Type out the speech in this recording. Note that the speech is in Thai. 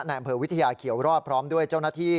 อำเภอวิทยาเขียวรอดพร้อมด้วยเจ้าหน้าที่